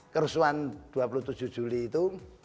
kerusuhan dua puluh tujuh juli itu